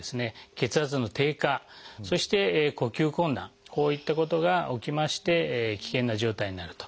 血圧の低下そして呼吸困難こういったことが起きまして危険な状態になると。